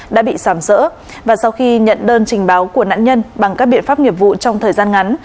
đã bị sàm sỡ và sau khi nhận đơn trình báo của nạn nhân bằng các biện pháp nghiệp vụ trong thời gian ngắn